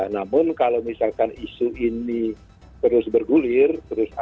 namun kalau misalkan isu ini terus bergulir terus ada